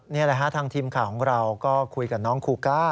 นี่แหละฮะทางทีมข่าวของเราก็คุยกับน้องคูก้า